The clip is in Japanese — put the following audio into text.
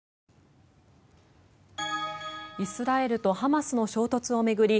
イスラエルとハマスの衝突を巡り